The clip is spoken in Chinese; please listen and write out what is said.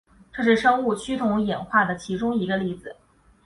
这是生物趋同演化的其中一个例子。